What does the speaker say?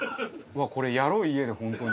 これやろう家で本当に。